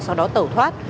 sau đó tẩu thoát